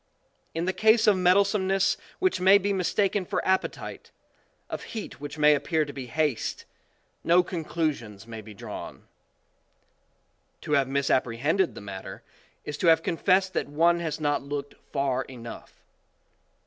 In the case of mettlesome ness which may be mistaken for appetite, of heat which may appear to be haste, no con clusions may be drawn. To have misapprehended the matter, is to have con fessed that one has not looked far enough.